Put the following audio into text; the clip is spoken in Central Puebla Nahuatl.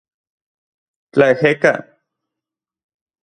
Tlaejeka.